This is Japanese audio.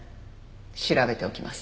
調べておきます。